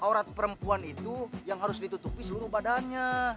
aurat perempuan itu yang harus ditutupi seluruh badannya